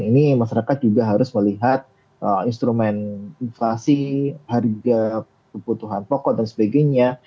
ini masyarakat juga harus melihat instrumen inflasi harga kebutuhan pokok dan sebagainya